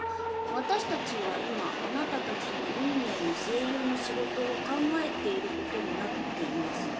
私たちは今あなたたちに運命の声優の仕事を考えていることになっています。